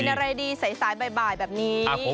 กินอะไรดีใสบ่ายแบบนี้